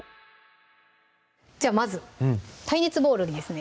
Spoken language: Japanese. じゃあまず耐熱ボウルにですね